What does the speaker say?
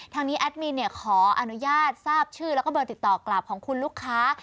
ทางนี้แอดมินขออนุญาตทราบชื่อแล้วก็เบอร์ติดต่อกลับของคุณลูกค้า